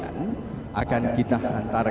gue gak jauh sih